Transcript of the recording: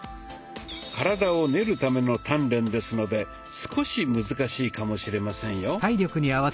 「体を練るための鍛錬」ですので少し難しいかもしれませんよ。